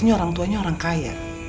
dengerin aku dulu dong her